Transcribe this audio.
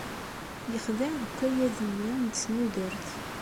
Yexdeɛ deg ukayad-nni n tesnudert.